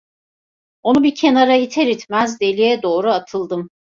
Onu bir kenara iter itmez deliğe doğru atıldım.